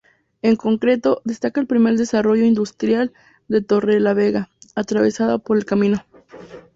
En concreto, destaca el primer desarrollo industrial de Torrelavega, atravesada por el camino.